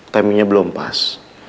timingnya belum pas